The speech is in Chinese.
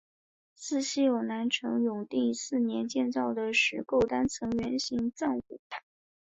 寺西有南陈永定四年建造的石构单层圆形藏骨塔。